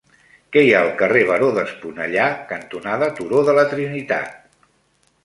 Què hi ha al carrer Baró d'Esponellà cantonada Turó de la Trinitat?